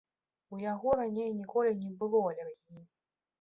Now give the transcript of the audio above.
У яго раней ніколі не было алергіі.